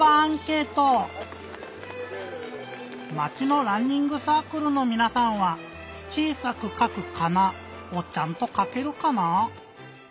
まちのランニングサークルのみなさんは「ちいさくかくかな」をちゃんとかけるかな？